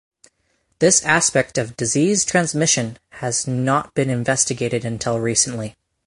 This aspect of disease transmission has not been investigated until recently.